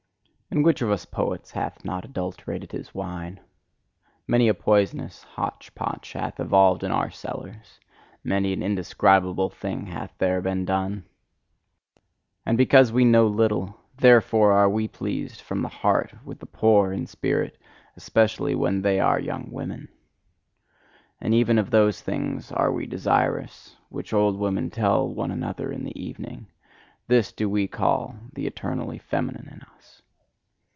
And which of us poets hath not adulterated his wine? Many a poisonous hotchpotch hath evolved in our cellars: many an indescribable thing hath there been done. And because we know little, therefore are we pleased from the heart with the poor in spirit, especially when they are young women! And even of those things are we desirous, which old women tell one another in the evening. This do we call the eternally feminine in us.